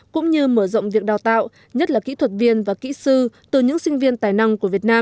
cũng như mở rộng việc đào tạo nhất là kỹ thuật viên và kỹ sư từ những sinh viên tài năng